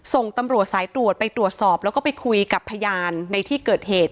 ส่งตำรวจสายตรวจไปตรวจสอบแล้วก็ไปคุยกับพยานในที่เกิดเหตุ